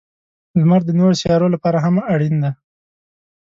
• لمر د نورو سیارونو لپاره هم اړین دی.